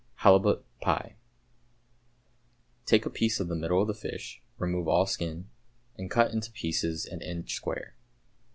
=Halibut Pie.= Take a piece of the middle of the fish, remove all skin, and cut into pieces an inch square.